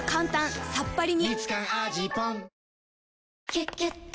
「キュキュット」